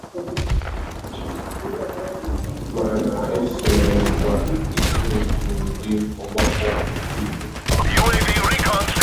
ma na-esonyesikwa ike n'ụdị ọgbakọ nkụzi dị etu ahụ